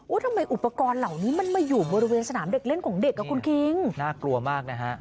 ทำไมอุปกรณ์เหล่านี้มันมาอยู่บริเวณสนามเด็กเล่นของเด็กอ่ะคุณคิงน่ากลัวมากนะฮะ